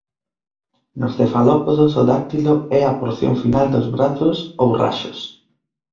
Nos cefalópodos o dáctilo é a porción final dos brazos ou "raxos".